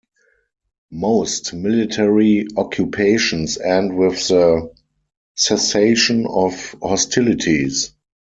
Most military occupations end with the cessation of hostilities.